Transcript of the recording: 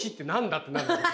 ってなるんです。